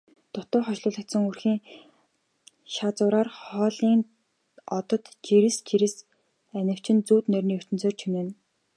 Дутуу хошуулдсан өрхний шазуураар холын одод жирс жирс анивчин зүүд нойрны ертөнцийг чимнэ.